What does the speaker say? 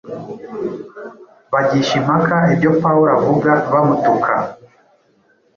bagisha impaka ibyo Pawulo avuga bamutuka.”